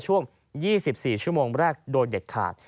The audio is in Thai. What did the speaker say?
ช่วง๒๔ชั่วโมงแรกโดยเด็ดขาด